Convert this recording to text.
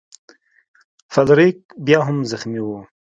فلیریک بیا هم زخمی و.